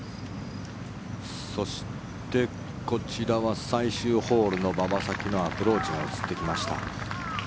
そしてこちらは最終ホールの馬場咲希のアプローチが映ってきました。